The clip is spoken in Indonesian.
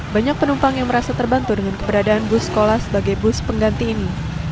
banyak penumpang yang merasa terbantu dengan keberadaan bus sekolah sebagai bus pengganti ini